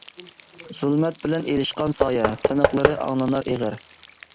زۇلمەت بىلەن ئېلىشقان سايە، تىنىقلىرى ئاڭلىنار ئېغىر.